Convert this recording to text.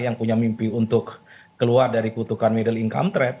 yang punya mimpi untuk keluar dari kutukan middle income trap